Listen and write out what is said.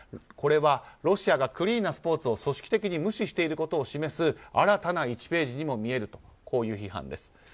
これはロシアがクリーンなスポーツを組織的に無視していることを示す新たな１ページにも見えるとこういう批判です。